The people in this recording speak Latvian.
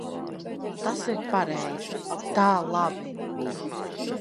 Tas ir pareizi. Tā labi.